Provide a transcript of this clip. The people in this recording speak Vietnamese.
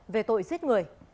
về tội giết người